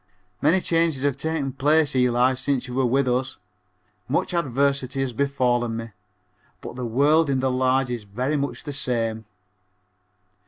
Many changes have taken place, Eli, since you were with us, much adversity has befallen me, but the world in the large is very much the same.